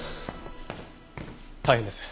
大変です。